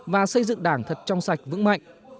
và xây dựng đảng thật trong sạch vững mạnh